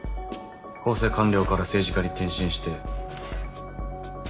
厚生官僚から政治家に転身して今７６歳だ。